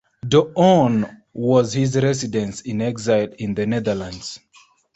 Doorn was his residence-in-exile in the Netherlands.